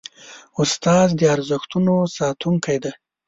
استاد د ارزښتونو ساتونکی دی.